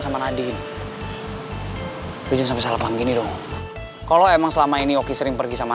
sama nadine berjalan sampai salah panggil dong kalau emang selama ini oke sering pergi sama